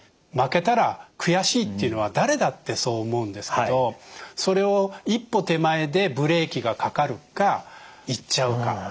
負けたら悔しいっていうのは誰だってそう思うんですけどそれを一歩手前でブレーキがかかるか言っちゃうか。